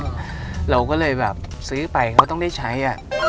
เราก็เลยแบบซื้อไปเขาต้องได้ใช้อ่ะ